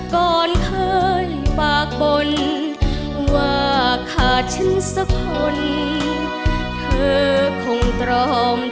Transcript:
ก่อนเคยปากบน